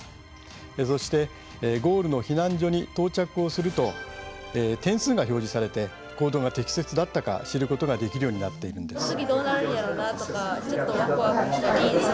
そして、ゴールの避難所に到着をすると点数が表示されて行動が適切だったか知ることができるようになっているんです。